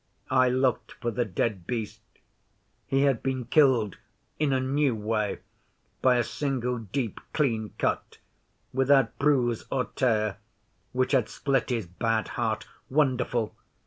I looked for the dead Beast. He had been killed in a new way by a single deep, clean cut, without bruise or tear, which had split his bad heart. Wonderful!